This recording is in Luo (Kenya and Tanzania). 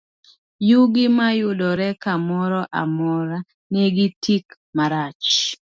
Yugi mayudore kamoro amora, nigi tik marach.